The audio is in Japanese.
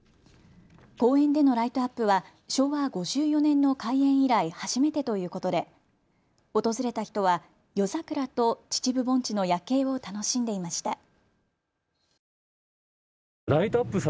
公園でのライトアップは昭和５４年の開園以来初めてということで訪れた人は夜桜と秩父盆地の夜景を楽しんでいました。